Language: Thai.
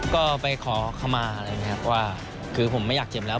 ก็ไปขอคำมาอะไรอย่างนี้ครับว่าคือผมไม่อยากเจ็บแล้ว